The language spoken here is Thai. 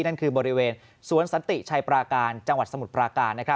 นั่นคือบริเวณสวนสันติชัยปราการจังหวัดสมุทรปราการ